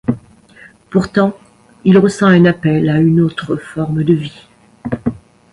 Pourtant, il ressent un appel à une autre forme de vie.